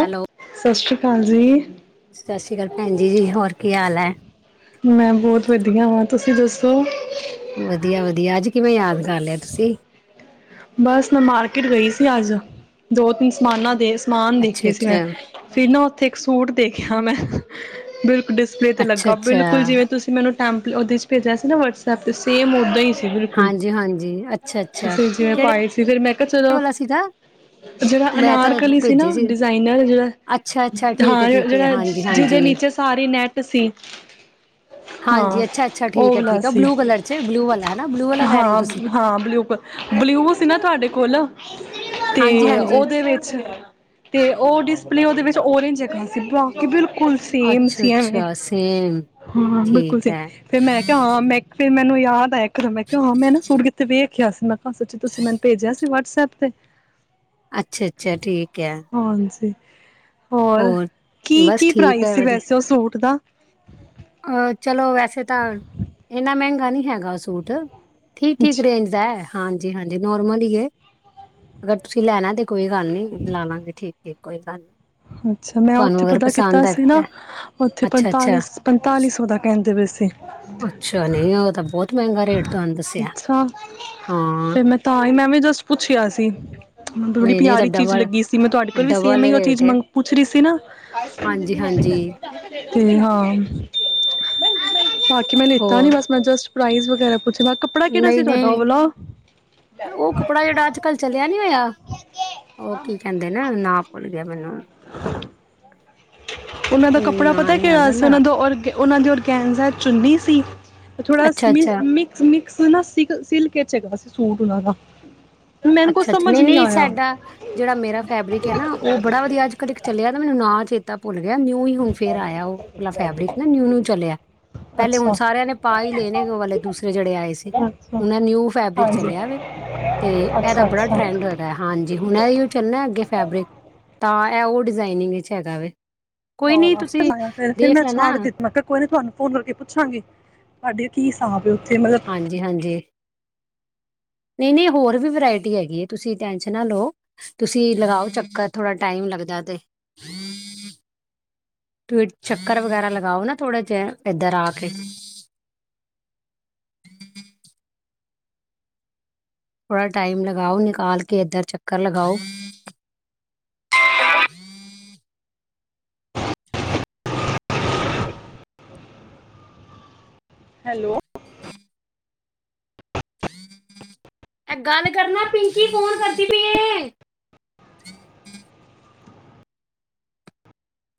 Hello ਸਤਿ ਸ੍ਰੀ ਅਕਾਲ ਜੀ ਸਤਿ ਸ਼੍ਰੀ ਅਕਾਲ ਭੈਣ ਜੀ ਜੀ ਹੋਰ ਕੀ ਹਾਲ ਹੈ ਮੈਂ ਬਹੁਤ ਵਧੀਆ ਵਾਂ ਤੁਸੀਂ ਦੱਸੋ ਹ ਵਧੀਆ ਵਧੀਆ ਅੱਜ ਕਿਵੇਂ ਯਾਦ ਕੀਤਾ ਬਸ ਮੈਂ ਮਾਰਕਿਟ ਗਈ ਸੀ ਪਿਆਜ ਦੋ ਤਿੰਨ ਸਮਾਨਾਂ ਹੋਰ ਦੇ ਸਮਾਨ ਅੱਛਾ ਦੇਖੇ ਸੀ ਮੈਂ ਅੱਛਾ ਫਿਰ ਨਾ ਉੱਥੇ ਇੱਕ ਸੂਟ ਦੇਖਿਆ ਮੈਂ ਬਿਲਕੁਲ ਡਿਸਪਲੇ ਤੇ ਅੱਛਾ ਲੱਗਾ ਅੱਛਾ ਬਿਲਕੁਲ ਜਿਵੇਂ ਤੁਸੀਂ ਮੈਨੂੰ ਟੈਂਪ ਉਹਦੇ ਚ ਭੇਜਿਆ ਸੀ ਨਾ ਵਟਸਐਪ ਤੇ ਸੇਮ ਉਦੇ ਹੀ ਸੀ ਬਿਲਕੁਲ ਹਾਂਜੀ ਹਾਂਜੀ ਅੱਛਾ ਅੱਛਾ ਜਿਵੇਂ ਕਿਹੜੇ ਪਾਏ ਸੀ ਫਿਰ ਮੈਂ ਚਲੋ ਵਾਲਾ ਸੀਗਾ ਜਿਹੜਾ ਉਹ ਮੈਂ ਤਾਂ ਅਨਾਰਕਲੀ ਸੀ ਭੇਜੇ ਨਾ ਡਿਜ਼ਾਇਨਰ ਜਿਹੜਾ ਅੱਛਾ ਅੱਛਾ ਠੀਕ ਹੈ ਹਾਂ ਠੀਕ ਹੈ ਜਿਹੜਾ ਹਾਂਜੀ ਜਿਹਦੇ ਹਾਂਜੀ ਨੀਚੇ ਸਾਰੀ ਨੈਟ ਸੀ ਹਾਂ ਹਾਂਜੀ ਅੱਛਾ ਅੱਛਾ ਉਹ ਠੀਕ ਹੈ ਵਾਲਾ ਠੀਕ ਹੈ ਸੀ ਬਲੂ ਕਲਰ ਚ ਬਲੂ ਵਾਲਾ ਹੈ ਨਾ ਬਲੂ ਵਾਲਾ ਕਹਿ ਹਾਂ ਰਹੇ ਹੋ ਤੁਸੀਂ ਹਾਂ ਬਲਿਊ ਕਲਰ ਬਲਿਊ ਸੀ ਨਾ ਤੁਹਾਡੇ ਕੋਲ ਹਾਂਜੀ ਤੇ ਹਾਂਜੀ ਉਹਦੇ ਵਿੱਚ ਤੇ ਉਹ ਡਿਸਪਲੇ ਉਹਦੇ ਵਿੱਚ ਜਗ੍ਹਾ ਸੀ ਬਾਕੀ ਬਿਲਕੁਲ ਬਿਲਕੁਲ ਸੇਮ ਅੱਛਾ ਸੀ ਐਵੇਂ ਅੱਛਾ ਸੇਮ ਹਾਂ ਬਿਲਕੁਲ ਠੀਕ ਸੇਮ ਹੈ ਫਿਰ ਮੈਂ ਕਿਹਾ ਹਾਂ ਮੈਂ ਫਿਰ ਮੈਨੂੰ ਹਾ ਤਾ ਹੈ ਕਿਹਾ ਹਾਂ ਮੈਂ ਨਾ ਸੂਟ ਦੇਖਿਆ ਸੀ ਮੈਂ ਅੱਛਾ ਤੁਸੀਂ ਮੈ ਭੇਜਿਆ ਸੀ ਵਟਸਾਪ 'ਤੇ ਅੱਛਾ ਅੱਛਾ ਠੀਕ ਹੈ ਹਾਂਜੀ ਹੋਰ ਕੀ ਬਸ ਕੀ ਠੀਕ ਪ੍ਰਾਈਸ ਹੈ ਸੀ ਵਧੀਆ ਵੈਸੇ ਉਹ ਸੂਟ ਦਾ ਚਲੋ ਵੈਸੇ ਤਾਂ ਇੰਨਾ ਮਹਿੰਗਾ ਨਹੀਂ ਹੈਗਾ ਸੂਟ ਠੀਕ ਠੀਕ ਅੱਛਾ ਰੇਂਜ ਦਾ ਹਾਂਜੀ ਹਾਂਜੀ ਨੋਰਮਲ ਹੀ ਹੈ ਅਗਰ ਤੁਸੀਂ ਲੈਣਾ ਤੇ ਦੱਸੋ ਕੋਈ ਗੱਲ ਨਹੀਂ ਲੈਣਾ ਠੀਕ ਇੱਕੋ ਹੀ ਤਾਂ ਅੱਛਾ ਮੈਂ ਉੱਥੇ ਪਤਾ ਕੀਤਾ ਸੀ ਨਾ ਤਾਂ ਉੱਥੇ ਅੱਛਾ ਪੰਤਾਲੀ ਅੱਛਾ ਪੰ ਪਤਾਲੀ ਸੌ ਦਾ ਕਹਿੰਦੇ ਵੈਸੇ ਅੱਛਾ ਨਹੀਂ ਉਹ ਤਾਂ ਬਹੁਤ ਮਹਿੰਗਾ ਰੇਟ ਤੁਹਾਨੂੰ ਦੱਸਿਆ ਅੱਛਾ ਹਾਂ ਫ਼ਿਰ ਮੈਂ ਤ ਹੀ ਮੈਂ ਵੀ ਜਸਟ ਪੁੱਛਿਆ ਸੀ ਬੜੀ ਨਹੀਂ ਨਹੀਂ ਇਹ ਤਾਂ ਪਿਆਰੀ ਚੀਜ਼ ਡਬਲ ਲੱਗੀ ਸੀ ਮੈਂ ਤੁਹਾਡੇ ਕੋਲ ਵੀ ਸੇਮ ਡਬਲ ਹੀ ਉਹ ਰੇਟ ਚੀਜ਼ ਹੈ ਮੰਗ ਪੁੱਛ ਰਹੀ ਸੀ ਨਾ ਹਾਂਜੀ ਹਾਂਜੀ ਤੇ ਹਾਂ ਬਾ ਕਿ ਮੈਂ ਲੀਤਾ ਨੀ ਹੋਰ ਬੱਸ ਮੈਂ ਜਸਟ ਪ੍ਰਾਈਜ਼ [unintelligible] ਪੁੱਛ ਨਹੀਂ ਨਹੀਂ ਉਹ ਕੱਪੜਾ ਜਿਹੜਾ ਅੱਜ ਕੱਲ ਚਲਿਆ ਨੀ ਹੋਇਆ ਉਹ ਕੀ ਕਹਿੰਦੇ ਨਾ ਨਾ ਭੁੱਲ ਗਿਆ ਮੈਨੂੰ ਉਹਨਾਂ ਦਾ ਕੱਪੜਾ ਨਾਂ ਪਤਾ ਨਹੀਂ ਕਿ ਯਾਦ ਆਉਂਦਾ ਸੀ ਨਾ। ਉਹਨਾਂ ਦਾ ਔਰ ਅਤੇ ਉਹਨਾਂ ਦੇ ਔਰਗੈਨਜ਼ ਚੁੰਨੀ ਸੀ ਥੋੜਾ ਅੱਛਾ ਮ ਅੱਛਾ ਮਿਕਸ ਮਿਕ ਸਿਲਕ ਹੈਗਾ ਸੀ ਸੂਟ ਉਹਨਾਂ ਦਾ ਮੈਨੂੰ ਕੁਛ ਅੱਛਾ ਅੱਛਾ ਸਮਝ ਨਹੀਂ ਨਹੀਂ ਆਇਆ ਸਾਡਾ ਜਿਹੜਾ ਮੇਰਾ ਫੈਬਰਿਕ ਹੈ ਨਾ ਉਹ ਬੜਾ ਵਧੀਆ ਅੱਜ ਕੱਲ ਚੱਲਿਆ ਮੈਨੂੰ ਨਾ ਚ ਤਾ ਬ ਨਿਊ ਹੀ ਹੁਣ ਫੇਰ ਆਇਆ ਉਹ ਫੈਬਰਿਕ ਨਾ ਨਿਊ ਨ ਚਲਿਆ ਪਹਿਲੇ ਹੁਣ ਅੱਛਾ ਸਾਰਿਆਂ ਨੇ ਪਾ ਹੀ ਲੈਣੇ ਵਾਲੇ ਦੂਸਰੇ ਜਿਹੜੇ ਆਏ ਸੀ ਅੱਛਾ ਉਹ ਨਿਊ ਫੈਬਰਿਕ ਹਾਂਜੀ ਚੱਲਿਆ ਵ ਤੇ ਇਹਦਾ ਅੱਛਾ ਬੜਾ ਅੱਛਾ ਟਰੈਂਡ ਹੈਗਾ ਹਾਂਜੀ ਹੁਣ ਇਹ ਉਹ ਚੱਲਣਾ ਅੱਗੇ ਫੈਬਰਿਕ ਤਾਂ ਇਹ ਉਹ ਡਜ਼ਾਈਨਿੰਗ ਵਿੱਚ ਹੈਗਾ ਵੈ ਆਹ ਫ ਫਿਰ ਮੈਂ ਲੈਣਾ ਛੱਡ ਦਿੱ ਕੋਈ ਨੇ ਤੁਹਾਨੂੰ ਫੋਨ ਕਰਕੇ ਪੁੱਛਾਂਗੇ ਤੁਡੇ ਕੀ ਤਾਂ ਪ ਹਾਂਜੀ ਹਾਂਜੀ ਨਹੀਂ ਨਹੀਂ ਹੋਰ ਵੀ ਵਰਾਇਟੀ ਹੈਗੀ ਹੈ ਤੁਸੀਂ ਟੈਂਸ਼ਨ ਨਾ ਲਓ ਤੁਸੀਂ ਲਗਾਓ ਚੱਕਰ ਥੋੜ੍ਹਾ ਟਾਈਮ ਲੱਗਦਾ ਤੇ ਤੁਸੀ ਚੱਕਰ ਵਗੈਰਾ ਲਗਾਓ ਨਾ ਥੋੜਾ ਜਿਹਾ ਇੱਧਰ ਆ ਕੇ ਥੋੜਾ ਟਾਈਮ ਲਗਾਓ ਨਿਕਾਲ ਕੇ ਇੱਧਰ ਚੱਕਰ ਲਗਾਓ [unintelligible] ਹੈਲੋ ਗੱਲ ਕਰਨਾ ਪਿੰਕੀ ਫੋਨ ਕਰਦੀ ਪ ਇਹ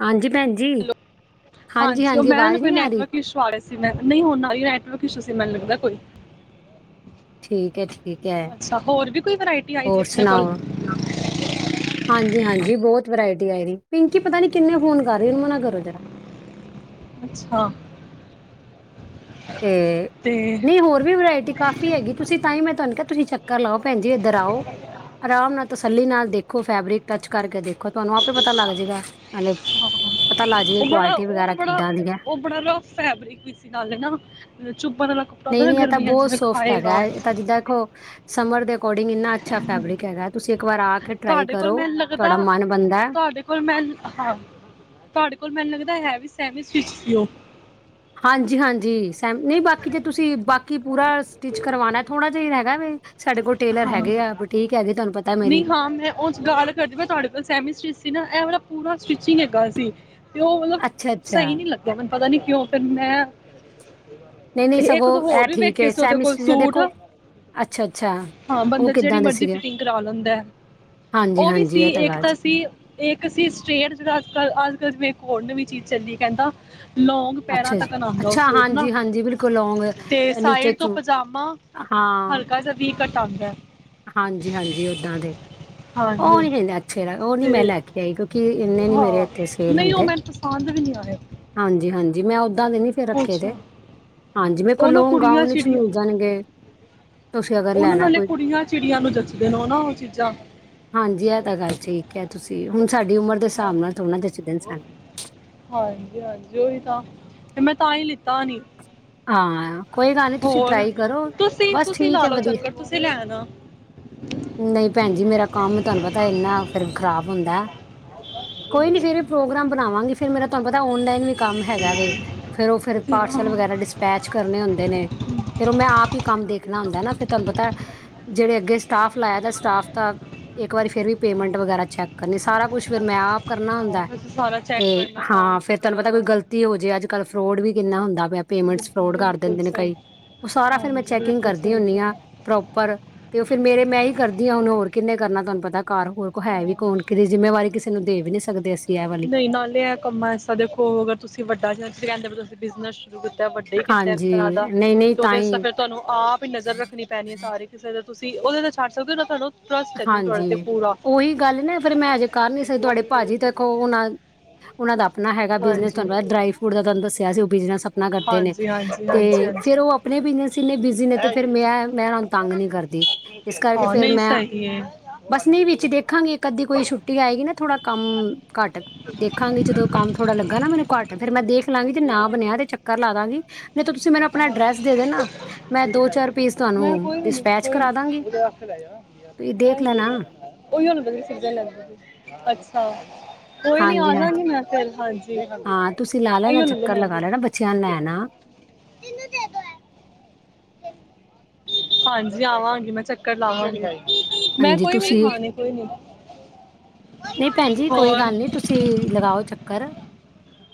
ਹਾਂਜੀ ਭੈਣ ਜੀ ਹੈਲੋ ਹਾਂਜੀ ਉਹ ਮੈਂ ਨਾ ਆਵਾਜ਼ ਕੋਈ ਨਹੀਂ ਆ ਰਹੀ ਨੈਟਵਰਕ ਇਸ਼ੂ ਆ ਰਿਹਾ ਸੀ ਮੈਂ ਨਹੀਂ ਹ ਉਹ ਕਛ ਉਸ ਮਨ ਲੱਗਦਾ ਕੋਈ ਠੀਕ ਠੀਕ ਹੈ ਅੱਛਾ ਹੋਰ ਵੀ ਕੋਈ ਵਰਾਇਟੀ ਆਈ ਦੀ ਹੋਰ ਆਪਣੇ ਕੋਲ [inaudible] ਸੁਣਾਓ ਹਾਂਜੀ ਹਾਂਜੀ ਬਹੁਤ ਵਰਾਇਟੀ ਆਏ ਪਿੰਕੀ ਪਤਾ ਨੀ ਕਿੰਨੇ ਫੋਨ ਕਰ ਰਹੀ ਉਹਨੂ ਮਨਾ ਕਰੋ ਜਰਾ ਅੱਛਾ ਤੇ ਨਹੀਂ ਹੋਰ ਵੀ ਵਰਾਇਟੀ ਕਾਫ਼ੀ ਹੈਗੀ ਤੁਸੀਂ ਤਾਂ ਹੀ ਮੈਂ ਤੁਹਾਨੂੰ ਕਿਹਾ ਤੁਸੀਂ ਚੱਕਰ ਲਾਓ ਭੈਣ ਜ ਇੱਧਰ ਆਓ ਆਰਾਮ ਨਾਲ ਤਸੱਲੀ ਨਾਲ ਦੇਖੋ ਫੈਬਰਿਕ ਟੱਚ ਕਰਕੇ ਦੇਖੋ ਤੁਹਾਨੂੰ ਆਪੇ ਪਤਾ ਲੱਗ ਜਾਏਗਾ ਮਤਲਬ ਉਹ ਬੜਾ ਉਹ ਨਾ ਬੜਾ ਉਹ ਬੜਾ ਰਫ ਫੈਬਰਿਕ ਵੀ ਸੀ ਨਾਲ ਚੁੱਭਣ ਵਾਲਾ ਕੱਪੜਾ ਹੁੰ ਨਹੀਂ ਨਾ ਨਹੀਂ ਇਹ ਤਾਂ ਗਰਮੀਆਂ ਬਹੁਤ ਜਿਵੇੈਂ ਸੋਫਟ ਹੈਗਾ ਖਾਏਗਾ ਹੈ। ਇਹ ਤਾਂ ਜਿੱਦਾਂ ਦੇਖੋ ਸਮਰ [unintelligible] ਅੱਛਾ ਫੈਬਰਿਕ ਹੈਗਾ ਹੈ। ਤੁਸੀਂ ਇੱਕ ਵਾਰ ਆ ਕੇ ਟਰਾਈ ਤੁਹਾਡੇ ਕੋਲ ਕਰੋ ਮੈਨੂੰ ਲੱਗਦਾ ਤੁਹਾਡਾ ਮਨ ਬਣਦਾ ਹੈ ਤੁਹਾਡੇ ਕੋਲ ਮੈ ਹਾਂ ਤੁਹਾਡੇ ਕੋਲ ਮੈਨੂੰ ਲੱਗਦਾ ਹੈ ਵੀ ਸਹਿਮੀ ਸਿੱਖਿਓ ਹਾਂਜੀ ਹਾਂਜੀ ਸੈਮ ਨਹੀਂ ਬਾਕੀ ਜੇ ਤੁਸੀਂ ਬਾਕੀ ਪੂਰਾ ਸਟਿਚ ਕਰਵਾਉਣਾ ਥੋੜਾ [unintelligible] ਟੇਲਰ ਹਾਂ ਹੈਗੇ ਆ ਬੁਟੀਕ ਹੈਗੀ ਤੁਹਾਨੂੰ ਪਤਾ ਮੇਰੀ ਨਹੀਂ ਹਾਂ ਮੈਂ ਉਹ ਗੱਲ ਕਰਕੇ ਮੈਂ ਤੁਹਾਡੇ ਕੋਲ ਸੈਮੀ ਸਟ ਸੀ ਨਾ ਇਹ ਵਾਲਾ ਪੂਰਾ ਸਟਿਚਿੰਗ ਹੈਗਾ ਸੀ ਤੇ ਉਹ ਮਤਲਬ ਅੱਛਾ ਅੱਛਾ ਸਹੀ ਨੀ ਲੱਗਿਆ ਮੈਨੂੰ ਪਤਾ ਨੀ ਕਿਉਂ ਫਿਰ ਮੈਂ ਨਹੀਂ ਨਹੀਂ ਤੇ ਇੱਕ ਤੋਂ ਸਗੋਂ ਇਹ ਹੋਰ ਵੀ ਠੀਕ ਵੇਖੇ ਹੈ ਸੀ ਉਹਦੇ ਕੋਲ ਸੈਿਸਟਰੀ ਦਾ ਸੂਟ ਦੇਖੋ ਅੱਛਾ ਅੱਛਾ ਹਾਂ ਉਹ ਬੰਦਾ ਜਿਹੜੀ ਕਿੱਦਾਂ ਦੇ ਮਰਜ਼ੀ ਸੀਗੇ ਫਿਟਿੰਗ ਕਰਾ ਲੈਂਦਾ ਹਾਂਜੀ ਉਹ ਵੀ ਹਾਂਜੀ ਸੀ ਇਹ ਇੱਕ ਗੱਲ ਤਾਂ ਚ- ਸੀ ਇੱਕ ਸੀ ਸਟੇਟ ਜਿਹੜਾ ਅੱਜ ਕੱਲ ਅੱਜ ਕੱਲ ਹੋਰ ਨਵੀਂ ਚੀਜ਼ ਚੱਲੀ ਕਹਿੰਦਾ ਲੌਂਗ ਪੈਰਾਂ ਅੱਛਾ ਤੱਕ ਆਉਂਦਾ ਉਹ ਅੱਛਾ ਸੂਟ ਨਾ ਹਾਂਜੀ ਹਾਂਜੀ ਬਿਲਕੁਲ ਲੋਂਂਗ ਤੇ ਨੀਚੇ ਸਾਈਡ ਤੋਂ ਚੂ ਹਾਂ ਘਟ ਆਉਂਦਾ ਹਾਂਜੀ ਹਾਂਜੀ ਓਦਾਂ ਦੇ ਉਹ ਹਾਂਜੀ ਨੀਹਿੰ ਅੱਛੇ ਉਹ ਨੀ ਤੇ ਮੈਂ ਲੈ ਕੇ ਆਈ ਕਿਉਂਕਿ ਇੰਨੇ ਨੀ ਮੇਰੇ ਹਾਂ ਇੱਥੇ ਸੇਲ ਨਹੀਂ ਉਹ ਹੁੰਦੇ ਮੈਨੂੰ ਪਸੰਦ ਵੀ ਨਹੀਂ ਆਇਆ ਹਾਂਜੀ ਹਾਂਜੀ ਜੀ ਮੈਂ ਓਦਾਂ ਦੇ ਨੀ ਫੇਰ ਰੱਖੇ ਤੇ ਅੱਛਾ ਹਾਂਜੀ ਮੈਂਰੇ ਉਹ ਕੋਲ ਨਾ ਲੋਂਂਗ ਕੁੜੀਆਂ ਗਾਉਣ ਵਿਚ ਚਿੜੀਆਂ ਮਿਲ ਜਾਣਗੇ ਤੁਸੀਂ ਅਗਰ ਉਹਨਾਂ ਲੈਣਾ ਨਾਲੇ ਕੋਈ ਕੁੜੀਆਂ ਚਿੜੀਆਂ ਨੂੰ ਜੱਚਦੇ ਨੇ ਨਾ ਉਹ ਚੀਜ਼ਾਂ ਕਿਆ ਤੁਸੀਂ ਹੁਣ ਸਾਡੀ ਉਮਰ ਦੇ ਹਿਸਾਬ ਹਾਂਜੀ ਨਾਲ ਥੋੜ੍ਹਾ ਜਚਦੇ ਨੇ ਸਾਨੂੰ। ਹਾਂਜੀ ਉਓਹੀ ਤਾਂ ਤੇ ਮੈਂ ਤਾਂ ਹੀ ਲਿੱਤਾ ਨਹੀਂ ਹਾਂ ਕੋਈ ਗੱਲ ਨੀ ਤੁਸੀਂ ਟਰਾਈ ਕਰੋ ਤੁਸੀਂ ਬਸ ਤੁਸੀਂ ਠੀਕ ਲਾ ਹੈ ਲਓ ਵਧੀਆ ਚੱਕਰ ਤੁਸੀਂ ਲੈ ਆਣਾ ਨਹੀਂ ਭੈਣ ਜੀ ਮੇਰਾ ਕੰਮ ਤੁਹਾਨੂੰ ਪਤਾ ਇੰਨਾ ਫਿਰ ਖ਼ਰਾਬ ਹੁੰਦਾ ਕੋਈ ਨੀ ਫੇਰ ਇਹ ਪ੍ਰੋਗਰਾਮ ਬਣਾਵਾਂਗੇ ਫਿਰ ਮੇਰਾ ਤੁਹਾਨੂੰ ਪਤਾ ਔਨਲਾਈਨ ਵੀ ਕੰਮ ਹੈਗਾ ਵੇ ਫਿਰਰ ਉ ਫਿਰ ਪਾਰਸਲ ਵਗੈਰਾ ਹਾਂ ਡਿਸ ਕੰਮ ਕਰਨੇ ਹੁੰਦੇ ਨੇ ਫੇਰ ਔ ਮੈਂ ਆਪ ਹੀ ਕੰਮ ਦੇਖਣਾ ਹੁੰਦੈ ਨਾ ਫੇਰ ਤਾਨੂੰ ਪਤੈ ਜੇੜੇ ਅੱਗੇ ਸਟਾਫ ਲਾਯਾ ਦੈ ਸਟਾਫ ਤਾ ਇੱਕ ਵਾਰੀ ਫੇਰ ਵੀ ਪੇਮੈਂਟ ਵਗੈਰਾ ਚੈੱਕ ਕਰਨੀ ਸਾਰਾ ਕੁਛ ਫੇਰ ਮੈਂ ਆਪ ਕਰਨਾ ਹੁੰਦੈ, ਵੈਸੇ ਸਾਰਾ ਚੈੱਕ ਤੇ ਕਰਨਾ ਹਾਂ ਅਕਾਊਂਟਸ ਫੇਰ ਤਾਨੂੰ ਵਗੈਰਾ ਪਤੈ ਦਾ ਕੋਈ ਹਾਂ ਗ਼ਲਤੀ ਹੋ ਜੇ ਅੱਜ ਕੱਲ ਫਰੋਡ ਵੀ ਕਿੰਨਾ ਹੁੰਦਾ ਪਿਆ ਪੇਮੈਂਟਸ ਬਿਲ- ਕਾਰ ਬਿਲਕੁਲ ਦਿੰਦੇ ਨੇ ਸਹੀ ਕਈ, ਔ ਸਾਰਾ ਫੇਰ ਮੈਂ ਹਾਂਜੀ ਚੈਕਿੰਗ ਬਿਲਕੁਲ ਕਰਦੀ ਸਹੀ ਹੁੰਦੀ ਆਂ ਕਿਹਾ। ਪ੍ਰੋਪਰ ਤੇ ਔ ਫੇਰ ਮੇਰੇ ਮੈਂ ਹੀ ਕਰਦੀ ਹਾਂ ਹੁਣ ਹੋਰ ਕਿੰਨੇ ਕਰ ਨਾ ਤੁਹਾਨੂੰ ਪਤਾ। ਘਰ ਹੋਰ ਕੋਈ ਹੈ ਵੀ ਹਾਂ ਕੌਣ? ਕਿਸੇਦੀ ਜਿੰਮੇਵਾਰੀ ਕਿਸੇ ਨੂੰ ਦੇ ਵੀ ਨੀ ਸਕਦੇ ਅਸੀਂ ਐ ਵਾਲੀ। ਨਹੀਂ ਨਾਲੇ ਇਹ ਕੈਂਦੇ ਪੇ ਤੁਸੀਂ ਬਿਜ਼ਨਸ ਸ਼ੁਰੂ ਕੀਤਾ ਵੱਡੇ ਈ ਕੀਤੈ ਇੱਕ ਤਰ੍ਹਾਂ ਹਾਂਜੀ, ਦਾ, ਨਹੀਂ-ਨਹੀਂ ਤੇ ਔਦੇ ਚ ਤਾਂ ਹੀ ਫੇਰ ਤੁਹਾਨੂੰ ਆਪ ਈ ਨਜ਼ਰ ਰੱਖਣੀ ਪੈਣੀ ਏ ਸਾਰੀ ਕਿਸੇ ਦੇ ਤੁਸੀਂ ਉਹਦੇ ਤੇ ਛੱਡ ਸਕਦੇ ਉਹ ਜਿਹੜਾ ਤੁਹਾਡੇ ਤੇ ਟਰੱਸਟ ਐ ਜਿਨ ਤੁਵਾਡੇ ਤੇ ਪੂਰਾ। ਔਹੀ ਗੱਲ ਨਾ ਫੇਰ ਮੈਂ ਅਜੇ ਕਰ ਨੀ ਸੀ ਸਕ ਤੁਹਾਡੇ ਭਾਜੀ ਵੇਖੋ ਓਨਾਂ ਓਨ੍ਹਾਂ ਦਾ ਅਪਣਾ ਹੈਗਾ ਬਿਜਨਸ ਹਾਂਜੀ ਤੁਵਾਨੂੰ ਪਤੈ ਡਰਾਈ ਫਰੂਟ ਦਾ ਤੁਵਾਨੂੰ ਦੱਸਿਆ ਸੀ, ਓ ਅਪਣਾ ਕਰਦੇ ਨੇ ਹਾਂਜੀ ਹਾਂਜੀ ਤੇ ਹਾਂਜੀ ਫੇਰ ਔ ਹਾਂਜੀ ਅਪਣੇ ਬਿਨਸ ਇੰਨੇ ਬਿਜੀ ਨੇ ਤੇ ਫੇਰ ਮੈਂ ਮੈਂ ਓਨਾ ਨੂ ਤੰਗ ਨੀ ਕਰਦੀ ਇਸ ਕਰਕੇ ਹਾਂ ਫੇਰ ਨਹੀਂ ਮੈਂ ਸਹੀ ਹੈ ਬਸ ਨ੍ਹੀਂ ਵਿੱਚ ਦੇਖਾਂਗੇ ਇੱਕ ਅੱਧੀ ਕੋਈ ਛੁੱਟੀ ਆਏਗੀ ਨਾ ਥੋੜਾ ਕੰਮ ਘੱਟ ਦੇਖਾਂਗੇ ਜਦੋਂ ਕੰਮ ਥੋੜਾ ਲੱਗਾ ਨਾ ਮੈਨੂੰ ਘੱਟ ਫੇਰ ਮੈਂ ਦੇਖ ਲਾਂਗੀ ਤੇ ਨਾ ਬਨਯਾ ਜਾਂ ਤੇ ਚੱਕਰ ਲਾ ਦਾਂਗੀ ਨ੍ਹੀਂ ਤੋ ਤੁਸੀਂ ਮੈਨੂੰ ਅਪਣਾ ਹਾਂ ਅਡਰੈਸ ਦੇ ਦੇਨਾ ਮੈਂ ਦੋ ਚਾਰ ਪੀਸ ਤੁਵਾਨੂੰ ਮੈਂ ਕੋਈ ਵੀ ਨਹੀਂ ਡਿਸਪੈਚ ਕਰਾ ਦਾਂਗੀ। ਦੇਖ ਫਰੈਸ਼ ਲੈਣਾ ਓਹੀਓ ਨੰਬਰਦੀ ਸੀਜਾ ਲੈਂਦੀ ਪਈਏ, ਅੱਛਾ। ਕੋਈ ਨੀ ਹਾਂਜੀ ਆਜਾਗੀ ਹਾਂਜੀ ਮੈਂ ਫੇਰ, ਹਾਂਜੀ। ਹਾਂ, ਤੁਸੀਂ ਲਾ ਲੈਣਾ ਅਈਓ ਲੈ ਲਓ ਚੱਕਰ ਲਗਾ ਮੈਂਗੋ ਲੈਣਾ ਬਚ ਬੱਚਿਆਂ ਨੂੰ ਲੈ ਆਣਾ ਹਾਂਜੀ ਆਵਾਂਗੀ ਮੈਂ ਚੱਕਰ ਲਾਵਾਂਗੀ‌। ਹਾਂਜੀ, ਤੁਸੀਂ ਨਹੀਂ ਭੈਣ ਜੀ ਕੋਈ ਹੋਰ ਗੱਲ ਨੀ, ਤੁਸੀਂ ਲਗਾਓ ਚੱਕਰ।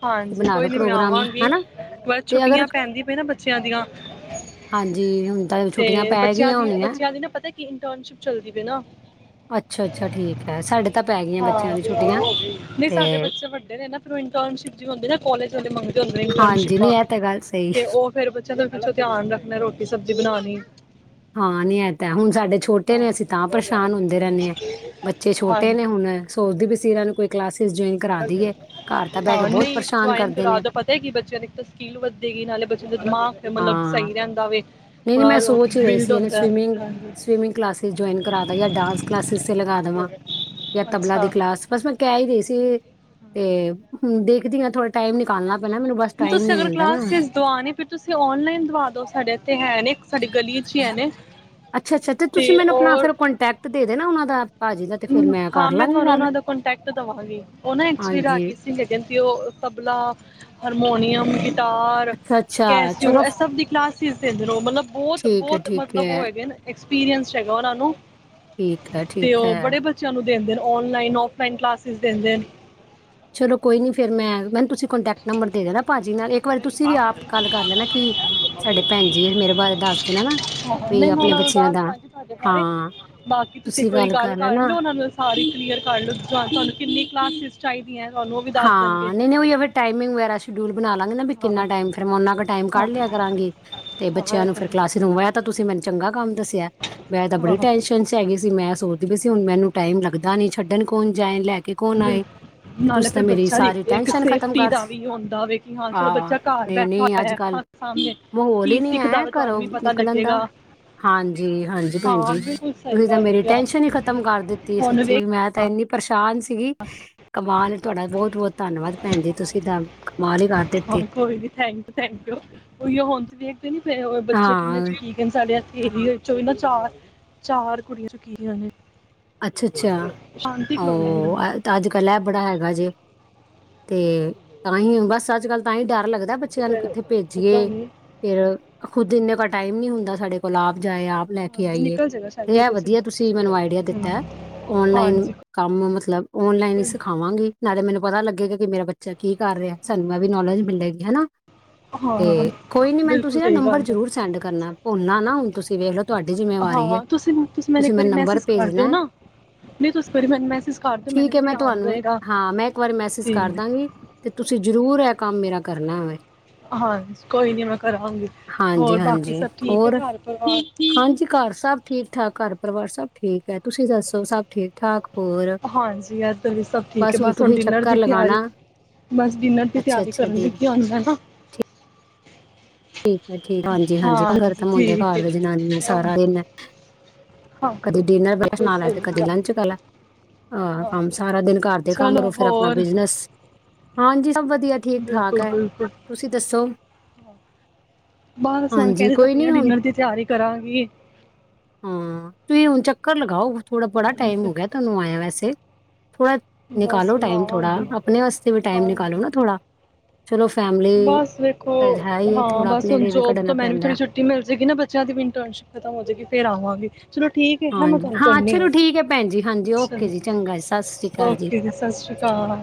ਹਾਂਜੀ, ਬਣਾ ਕੋਈ ਲਓ ਨੀ ਮੈਂ ਪ੍ਰੋਗਰਾਮ ਆਵਾਂਗੀ ਹਨਾ ਬਸ ਤੇ ਅਗਰ ਛੁੱਟੀਆਂ ਪੈਂਦੀ ਪਈ ਨਾ ਬੱਚਿਆਂ ਦੀਆਂ ਹਾਂਜੀ ਹੁਣ ਤਾਂ ਤੇ ਛੁੱਟੀਆਂ ਪੈ ਬੱਚਿਆਂ ਗਈਆਂ ਦੀ ਹੋਣੀਆਂ ਬੱਚਿਆਂ ਦੀ ਨਾ ਪਤੈ ਕਿ ਇੰਟਰਨਸ਼ਿਪ ਚੱਲਦੀ ਪੀ ਏਨਾ। ਅੱਛਾ ਅੱਛਾ ਠੀਕ ਹੈ ਸਾਡੇ ਤਾਂ ਪੈ ਗਈਆਂ ਬੱਚਿਆਂ ਹਾਂ ਦੀ ਛੁੱਟੀਆਂ ਨਹੀਂ ਤੇ ਸਾਡੇ ਬੱਚੇ ਵੱਡੇ ਨੇ ਨਾ ਫਿਰ ਇੰਟਰਨਸ਼ਿਪ ਜੀ ਹੁੰਦੀ ਨਾ ਕਾਲਜ ਅਲੇ ਮੰਗਦੇ ਹੁੰਦੇ ਹਾਂਜੀ ਨੀ ਇੰਟਰਨਸ਼ਿਪਾਂ ਇਹ ਤਾਂ ਗੱਲ ਸਹੀ ਤੇ ਔ ਫੇਰ ਬਚ ਚਿਆ ਦਾ ਵੀ ਪਿਛੋਂ ਧਿਆਨ ਰੱਖਣੈ ਰੋਟੀ ਸਬਜ਼ੀ ਬਣਾਣੀ ਹਾਂ ਨੀ ਐ ਤਾਂ ਐ, ਹੁਣ ਸਾਡੇ ਛੋਟੇ ਨੇ ਹਾਂ ਅਸੀਂ ਤਾਂ ਪਰੇਸ਼ਾਨ ਹੁੰਦੇ ਰੈੰਣੇ ਆਂ ਬੱਚੇ ਛੋਟੇ ਨੇ ਹਾਂਜੀ ਹੁਣ ਸੋਚਦੀ ਪੀ ਸੀ ਏਨਾ ਨੂੰ ਕੋਈ ਕਲਾਸ ਹਾਂ, ਬਹੁਤ ਨਹੀਂ ਪਰੇਸ਼ਾਨ ਜੁਆਇਨ ਕਰਦੇ ਨੇ ਕਰਾਤੈ ਪਤੈ ਕਿ ਬੱਚਿਆਂ ਦੀ ਇਕ ਤਾਂ ਸਕਿਲ ਵਧੇਗੀ ਨਾਲੇ ਬੱਚੇ ਦਾ ਦਿਮਾਗ ਮਤਲਬ ਹਾਂ ਸਹੀ ਰੈੰਦਾ ਵੇ। ਨਹੀਂ ਨਹੀਂ ਥੋੜਾ ਮੈਂ ਸੋਚ ਹੀ ਰਹੀ ਬਿਲਡ ਸੀ ਐਨੂ ਹੁੰਦਾ ਹੈ ਸਵੀਮਿੰਗ ਹਾਂਜੀ ਸਵੀਮਿੰਗ ਕਲਾਸਿਸ ਜੋਇਨ ਕਰਾਦਾ ਯਾ ਡਾਂਸ ਕਲਾਸਿਸ ਤੇ ਲਗਾ ਦੇਵਾਂ ਜਾਂ ਤਬਲਾ ਦੀ ਅੱਛਾ ਕਲਾਸ ਬਸ ਮੈਂ ਕੈ ਈ ਰਈ ਸੀ। ਤੇ ਹੂੰ ਦੇਖਦੀ ਆਂ ਥੋੜੇ ਟ ਤੁਸੀਂ ਅਗਰ ਨਾ ਕਲਾਸਿਸ ਦਵਾਣੀ ਫਿਰ ਤੁਸੀਂ ਓਨਲਾਈਨ ਦਵਾ ਦੋ ਸਾਡੇ ਐਥੇ ਹੈ ਨੇ ਸਾਡੀ ਗਲੀ 'ਚ ਹੀ ਹੈ ਨੇ ਅੱਛਾ ਅੱਛਾ, ਤੇ ਤੁਸੀਂ ਮੈਨੂੰ ਅਪਣਾ ਫੇਰ ਕੋਂਟੈਕਟ ਦੇ ਦੇਨਾ। ਔਨਾਂ ਦਾ। ਭਾਜੀ ਦਾ ਤੇ ਫਿਰ ਹਾਂ, ਕਰ ਮੈਂ ਲਾਂਗੀ ਤੁਵਾਨੂੰ ਗੱਲ ਔਨਾਂ ਦਾ ਕੋਂਟੈਕਟ ਦੇਵਾਂਗੀ ਔ ਨਾ ਐਕਚੁਲੀ ਹਾਂਜੀ ਰਾਗੀ ਸਿੰਘ ਹੈਗੇ ਨ ਤੇ ਔ ਤਬਲਾ ਹਰਮੋਨੀਅਮ। ਗਿਟਾਰ ਅੱਛਾ ਅੱਛਾ ਕੈਸਿਔ, ਚਲੋ ਐ ਫ- ਸਭ ਦੀ ਕਲਾਸਿਸ ਦੇਂਦੇ ਨ ਔ। ਮਤਲਬ ਬੌਤ ਠੀਕ ਹੈ ਬੌਤ ਠੀਕ ਮਤਲਬ ਔ ਹੈ ਹੈਗੇ ਨ ਐਕਸਪੀਰੀਏਂਸਡ ਹੈਗਾ ਔਨਾ ਨੂੰ। ਠੀਕ ਹੈ ਤੇ ਠੀਕ ਉਹ ਹੈ। ਬੜੇ ਬੱਚਿਆਂ ਨੂੰ ਦੇਂਦੇ ਨ ਔਨਲਾਈਨ ਔਫਲਾਈਨ ਕਲਾਸਿਸ ਦਿੰਦੇਣ। ਚਲੋ ਕੋਈ ਨੀ ਫੇਰ ਮੈਂ ਮੈਨੂੰ ਤੁਸੀਂ ਕੋਂਟੈਕਟ ਨੰਬਰ ਦੇ ਦੇਣਾ ਭਾਜੀ ਨਾਲ ਏਕ ਸਾਡੇ ਭੈਣ ਜੀ ਮੇਰੇ ਬਾਰੇ ਦੱਸ ਦੇਣਾ ਨਾ ਹਾਂ, ਵੀ ਨਹੀਂ ਮੈਂ ਆਪਣੇ ਔਨਾ ਨੂੰ ਬੱਚਿਆਂ ਦੱਸ ਦਾ ਦਾਂਗੀ ਤੁਹਾਡੇ ਬਾਰੇ ਹਾਂ ਬਾਕੀ ਤੁਸੀਂ ਇੱਕ ਵਾਰੀ ਗੱਲ ਕਰ ਲੋ ਔਨਾਂ ਨੂੰ ਸਾਰੀ ਕਲੀਅਰ ਕਰ ਲੋ ਤੁਵਾਨੂੰ ਕਿੰਨੀ ਕਲਾਸਿਸ ਚਾਹੀਦੀਐ। ਹਾਂ ਨਹੀਂ ਨਹੀਂ ਔਈਔ ਫੇਰ ਟਾਈਮਿੰਗ ਵਗੈਰਾ ਸ਼ਡੂਲ ਬਣਾ ਲਵਾਂਗੇ ਨਾ ਬੀ ਹਾਂ ਕਿੰਨਾ ਟਾਈਮ ਫਿਰ ਮੈਂ ਉਨਾ ਕ ਟਾਈਮ ਹਾਂ ਕੱਢ ਲਿਆ ਕਰਾਂਗੀ ਤੇ ਹਾਂ ਬੱਚਿਆਂ ਇਹ ਨੂੰ ਤਾਂ ਫੇਰ ਕਲਾਸੀ ਹੈ। ਰੂਮ ਐ ਤਾਂ ਤੁਸੀਂ ਮੈਨੂੰ ਚੰਗਾ ਕੰਮ ਦੱਸਿਐ, ਮੈਂ ਤਾਂ ਬੜੀ ਹਾਂ ਟੈਨਸ਼ਨ ਚ ਹੈਗੀ ਸੀ ਮੈਂ ਸੋਚਦੀ ਪੀ ਸੀ ਹੋਣ ਮੈਨੂੰ ਟਾਈਮ ਲੱਗਦਾ ਨੀ ਛੱਢਣ ਕੌਣ ਜਾਏ ਲੈ ਕੇ ਕੇ ਕੋਣ ਬਿਲ ਆਏ? ਤੇ ਨਾਲੇ ਤੁਸੀਂ ਤਾਂ ਫਿਰ ਮੇਰੀ ਬੱਚਾ ਦੀ ਸਾਰੀ ਇੱਕ ਟੈਸ਼ਨ ਖਤਮ ਸੇਫਟੀ ਦਾ ਕਾਰਤੀ। ਵੀ ਹੁੰਦਾ ਵੇ ਕਿ ਹਾਂ ਚਲੋ ਆਹ, ਬੱਚਾ ਘਰ ਨਹੀਂ ਬੈਠਾ ਨਹੀਂ ਅੱਜ ਹੋਇਆ ਕੱਲ ਅੱਖਾਂ ਸਾਹਮਣੇ ਮਾਹੌਲ ਕੀ ਹੀ ਨੀ ਸਿੱਖਦਾ ਹੈ ਵੇ ਤੁਹਾਨੂੰ ਘਰੋਂ ਵੀ ਪਤਾ ਨਿਕਲਣ ਦਾ। ਲੱਗੇਗਾ ਹਾਂਜੀ ਹਾਂਜੀ ਭੈਣ ਹਾਂ ਜੀ ਬਿਲਕੁਲ ਸਹੀ ਤੁਸੀਂ ਤਾਂ ਗੱਲ ਮੇਰੀ ਕਿਹਾ ਟੈਸ਼ਨ ਹੀ ਖ਼ਤਮ ਕਰ ਦਿੱਤੀ ਹੁਣ ਸੱਚੀ ਵੇਖ ਵੀ ਮੈਂ ਤਾਂ ਏਨੀ ਪ੍ਰਸਾ਼ਨ ਸ ਸੀਗੀ ਕਮਾਲ ਏ ਤੁਵਾਡਾ ਬੌਤ ਬੌਤ ਧੰਨਵਾਦ ਭੈਣ ਜੀ ਤੁਸੀਂ [unintelligible] ਹਾਂ ਦਿੱਤੀ। ਕੋਈ ਨੀ ਥੈਂਕ ਯੂ ਥੈਂਕ ਯੂ। ਓਹਿਓ ਹੁਣ ਤੁਸੀ ਵੇਖਦੇ ਨੀ ਪੇ ਬੱਚੇ ਕਿੰਨੇ ਹਾਂ ਚੁੱਕੀ ਗਏ ਸਾਡੇੇ ਐਥੇ। ਏਰੀਏ ਚੋਂ ਵੀ ਨਾ ਚਾਰ ਚਾਰ ਕੁੜੀਆਂ ਚੁੱਕੀ ਗੀਆ ਨੇੇ। ਅੱਛਾ ਅੱਛਾ ਵੀ ਨਾਮ ਹੈ ਔ ਤਾਂ ਅੱਜ ਕੱਲ ਐ ਬੜਾ ਹੈਗਾ ਜੇ। ਤੇ ਤਾਂਹੀ ਬਸ ਅੱਜ ਕੱਲ ਤਾਂਹੀ ਡਰ ਲੱਗਦ ਕਦਾ ਬੱਚਿਆਂ ਨੂੰ ਕਿੱਥੇ ਪਤਾ ਭੇਜੀਏ ਨੀ ਫੇਰ ਖੁਦ ਇੰਨੇ ਕੋ ਟਾਈਮ ਨੀ ਹੁੰਦਾ ਸਾਡੇ ਕੋਲ ਆਪ ਜਾਏ ਆਪ ਲੈ ਕੇ ਹਾਂਜੀ ਆਈਏ ਨਿਕਲ ਜਾਏਗਾ ਸ਼ਾਇਦ ਤੇ ਐ ਬਿਲਕੁਲ ਵਧੀਆ ਸਿੱਧਾ ਤੁਸੀਂ ਮੈਨੂੰ ਆਈਡੀਆ ਦਿੱਤ ਹਮ, ਔਨਲਾਈਨ ਹਾਂਜੀ ਕੰਮ ਮਤਲਬ ਓਨਲਾਈਨ ਹੀ ਸਿਖਾਵਾਂਗੇ। ਨਾਲੇ ਮੈਨੂੰ ਪਤਾ ਲੱਗੇਗਾ ਕਿ ਮੇਰਾ ਬੱਚਾ ਕੀ ਕਰ ਰਿਹਾ ਸਾਨੂੰ ਇਹ ਵੀ ਨੌਲੇਜ ਮਿਲੇਗੀ ਹਨਾ। ਤੇ ਹਾਂ ਕੋਈ ਨੀ ਮੈਨੂੰ ਤੁਸੀਂ ਬਿਲਕੁਲ ਨਾ ਸਹੀ ਨੰਬਰ ਗੱਲ ਹੈ ਜਰੂਰ ਸੈਂਡ ਕਰਨਾ ਭੁੱਲਣਾ ਨਾ ਹੁਣ ਤੁਸੀਂ ਵੇਖ ਲੋ ਤੁਹਾਡੀ ਜਿੰਮੇਵਾਰੀ ਹੈ ਹਾਂ ਤੁਸੀਂ ਤੁਸੀਂ ਇੱਕ ਵਾਰੀ ਮੈਨੂੰ ਨੰਬਰ ਮੈਸੇਜ ਕਰ ਦਿਓ ਭੇਜਣਾ। ਨਾ ਨਹੀਂ ਤੁਸੀਂ ਇੱਕ ਵਾਰੀ ਮੈਨੂੰ ਮੈਸੇਜ ਕਰ ਦਿਓ ਮੈਨੂੰ ਠੀਕ ਵੀ ਹੈ ਮੈਂ ਧਿਆਨ ਤੁਹਾਨੂੰ ਰਹੇਗਾ ਹਾਂ ਮੈਂ ਇੱਕ ਵਾਰੀ ਮੈਸੇਜ ਤੇ ਕਰਦਾਂਗੀ ਤੇ ਤੁਸੀਂ ਜ਼ਰੂਰ ਪੂਰਾ ਕੰਮ ਮੇਰਾ ਕਰਨਾ ਵ ਹਾਂ ਕੋਈ ਨੀ ਮੈਂ ਕਰਾਂਗੀ ਹੋਰ ਬਾਕੀ ਹਾਂਜੀ-ਹਾਂਜੀ ਸਭ ਠੀਕ ਹੈ ਹੋਰ ਘਰ ਪਰਿਵਾਰ- ਠੀਕ ਠਾਕ ਘਰ ਪਰਿਵਾਰ ਸਭ ਠੀਕ ਹੈ। ਤੁਸੀਂ ਦੱਸੋ ਸਭ ਠੀਕ ਠਾਕ? ਹਾਂਜੀ ਇਧਰ ਵੀ ਸਭ ਠੀਕ ਹੈ ਬਸ ਹੁਣ ਤੁਸੀਂ ਡਿਨਰ ਦੀ ਚੱਕਰ ਤਿਆਰੀ ਲਗਾਣਾ ਬਸ ਡਿਨਰ ਦੀ ਤਿਆਰੀ ਅੱਛਾ-ਅੱਛਾ ਕਰਨ ਡੀ ਲੱਗੀ ਆਉਂਦਾ ਨਾ। ਠੀਕ ਠੀਕ ਹਾਂਜੀ ਹਾਂਜੀ ਮੁੰਡੇ ਠੀਕ ਘਰ ਹੈ ਦੇ ਜਨਾਨੀਆਂ ਸਾਰਾ ਹਾਂ ਕਦੇ ਡਿਨਰ ਵਾਲਾ ਬਿਲਕੁਲ ਸੁਣਾ ਲੈ ਸਹੀ ਤੇ ਕਦੀ ਕਿਹਾ ਲੰਚ ਵਾਲਾ ਆਹ ਹਾਂ ਕੰਮ ਸਾਰਾ ਦਿਨ ਘਰਦੇ ਚਲੋ ਕੰਮੋ ਫਿਰ ਆਪਣਾ ਹੋਰ ਬਿਜਨਸ ਹਾਂਜੀ। ਸਭ ਵਧੀਆ ਠੀਕ ਠਾਕ ਬਿਲਕੁਲ ਹੈ ਬਿਲਕੁਲ ਤੁਸੀਂ ਦੱਸੋ ਬਸ ਹੁਣ ਹਾਂਜੀ ਕਹਿ ਤਾਂ ਕੋਈ ਰਹੀ ਆ ਨੀ ਹੁਣ ਡਿਨਰ ਦੀ ਤਿਆਰੀ ਕਰਾਂਗੀ। ਹਾਂ ਤੁਸੀ ਹੁਣ ਚੱਕਰ ਲਗਾਓ ਥੋੜ੍ਹਾ ਬੜਾ ਟਾਈਮ ਹੋ ਗਿਆ ਤੁਹਾਨੂੰ ਆਇਆ ਵੈਸੇ ਥੋੜ੍ਹਾ ਬਸ ਨਿਕਾਲੋ ਹੁਣ ਟਾਈਮ ਥੋੜ੍ਹਾ ਆਵਾਂਗੀ ਆਪਣੇ ਵਾਸਤੇ ਵੀ ਟਾਈਮ ਨਿਕਾਲੋ ਨਾ ਥੋੜ੍ਹਾ ਬਸ ਵੇਖੋ ਹੀ ਹੈ ਹਾਂ ਥੋੜਾ ਬਸ ਆਪਣੇ ਹੁਣ ਲਈ ਵੀ ਜੋਬ ਤੋਂ ਕੱਢਣਾ ਮੈਨੂੰ ਵੀ ਥੋੜੀ ਪੈਂਦਾ ਛੁੱਟੀ ਮਿਲ ਜਾਏਗੀ ਨਾ ਬੱਚਿਆਂ ਦੀ ਵੀ ਇੰਟਰਨਸ਼ਿਪ ਖਤਮ ਹੋ ਜਾਏਗੀ। ਫੇਰ ਆਵਾਂਗੇ। ਚਲੋ ਠੀਕ ਹੈ ਹੈ ਮੈਂ ਹਾਂਜੀ ਤੁਹਾਨੂੰ ਕਰਨੀ ਚਲੋ ਹਾਂ ਠੀਕ ਹੈ ਭੈਣ ਜੀ ਹਾਂਜੀ ਓਕੇ ਜੀ ਚੰਗਾ ਜੀ ਸਤਿ ਸ੍ਰੀ ਅਕਾਲ ਓਕੇ ਜੀ ਸਤਿ ਸ਼੍ਰੀ ਅਕਾਲ।